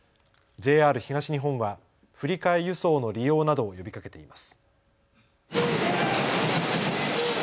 ＪＲ東日本は振り替え輸送の利用などを呼びかけています。